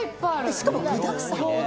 しかも具だくさん。